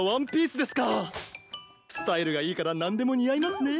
スタイルがいいから何でも似合いますね。